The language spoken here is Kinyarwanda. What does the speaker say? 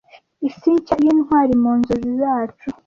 Isi nshya yintwari mu nzozi zacu